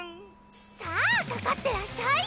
さぁかかってらっしゃい。